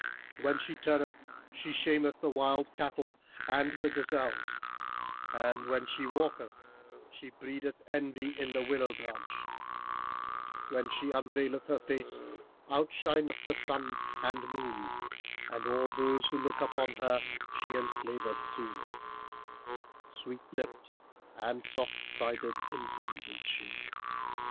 When she turneth she shameth the wild cattle[FN#322] and the gazelles and when she walketh, she breedeth envy in the willow branch: when she unveileth her face outshineth sun and moon and all who look upon her she enslaveth soon: sweet lipped and soft sided indeed is she."